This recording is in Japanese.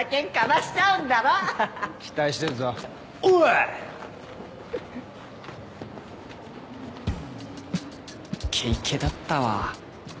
イケイケだったわ。